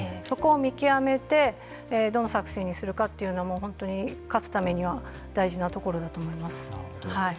そこを見極めてどの作戦にするかというのも本当に勝つためには大事なところだと思います。